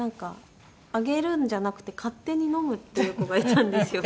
あげるんじゃなくて勝手に飲むっていう子がいたんですよ。